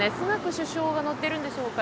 首相が乗っているんでしょうか。